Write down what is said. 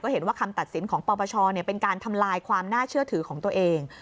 เห็นว่าคำตัดสินของปปชเป็นการทำลายความน่าเชื่อถือของตัวเอง